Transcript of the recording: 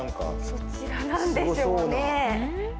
そちらなんでしょうね？